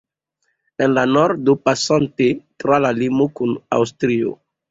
En la nordo, pasante tra la limo kun Aŭstrio.